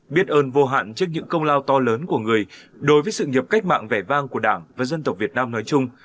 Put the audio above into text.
biết ơn vô hạn trước những công lao to lớn của người đối với sự nghiệp cách mạng vẻ vang của đảng và dân tộc việt nam nói chung